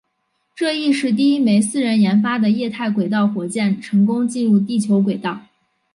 这亦是第一枚私人研发的液态轨道火箭成功进入地球轨道。